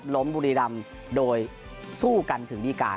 ร้มบุรีรัมโดยสู้กันถึงดิกา